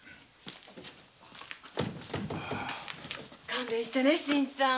勘弁してね新さん。